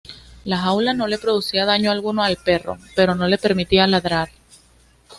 La jaula no le producía daño alguno al perro, pero no le permitía ladrar.